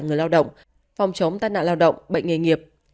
người lao động phòng chống tai nạn lao động bệnh nghề nghiệp